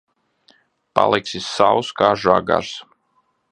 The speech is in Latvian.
Paliksi sauss kā žagars.